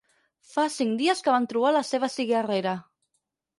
Fa cinc dies que van trobar la seva cigarrera.